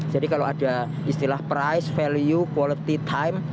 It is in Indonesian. jadi kalau ada istilah price value quality time